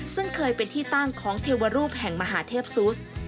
ซึ่งเคยเป็นที่ตั้งของเทวรูปแห่งมหาเทพซุส